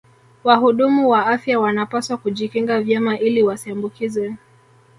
Wahudumu wa afya wanapaswa kujikinga vyema ili wasiambukizwe